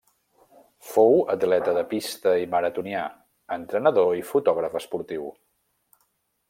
Fou atleta de pista i maratonià, entrenador i fotògraf esportiu.